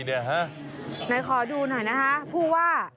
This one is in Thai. ไหนขอดูหน่อยนะคะผู้ว่า